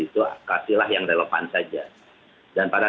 itu kasihlah yang relevan saja dan para